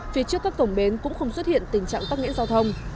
phía trước các cổng bến cũng không xuất hiện tình trạng tắc nghẽn giao thông